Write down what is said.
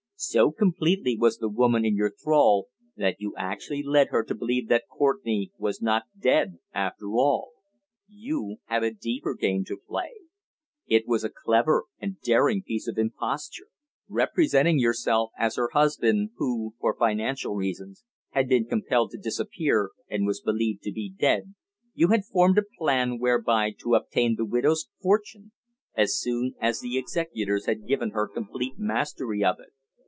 So completely was the woman in your thrall that you actually led her to believe that Courtenay was not dead after all! You had a deeper game to play. It was a clever and daring piece of imposture. Representing yourself as her husband who, for financial reasons, had been compelled to disappear and was believed to be dead, you had formed a plan whereby to obtain the widow's fortune as soon as the executors had given her complete mastery of it.